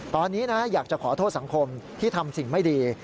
ตอนนี้นะอยากจะขอโทษสังคมที่ทำสิ่งไม่ดี